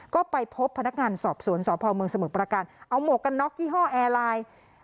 ก็ไปพบพนักงานสอบสวนสพเมืองสมุทรประการเอาหมวกกันน็อกยี่ห้อแอร์ไลน์